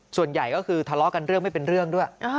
ส่วนใหญ่ก็คือทะเลาะกันเรื่องไม่เป็นเรื่องด้วย